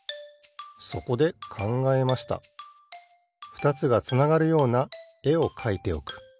ふたつがつながるようなえをかいておく。